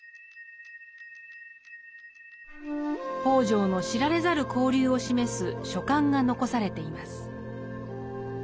北條の知られざる交流を示す書簡が残されています。